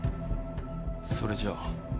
それじゃ。